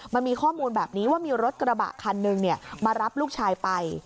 มันมีข้อมูลแบบนี้ว่ามีรถกระบะคันหนึ่งมารับลูกชายไป